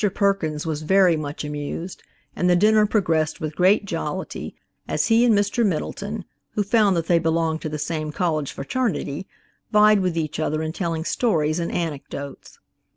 Perkins was very much amused and the dinner progressed with great jollity, as he and Mr. Middleton, who found that they belonged to the same College fraternity, vied with each other in telling stories and anecdotes.